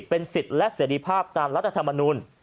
เป็นสิทธิ์และเสรีภาพตามรัฐธรรมนูล